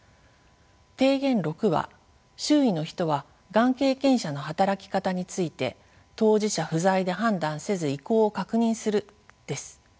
提言６は周囲の人はがん経験者の働き方について当事者不在で判断せず意向を確認するです。